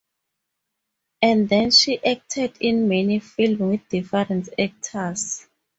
And then she acted in many film with different actors.